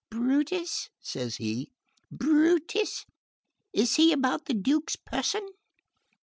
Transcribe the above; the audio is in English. "Brutus?" says he. "Brutus? Is he about the Duke's person?"